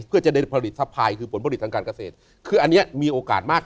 เพื่อจะได้ผลิตสะพายคือผลผลิตทางการเกษตรคืออันนี้มีโอกาสมาก